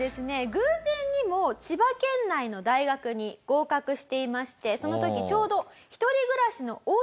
偶然にも千葉県内の大学に合格していましてその時ちょうど。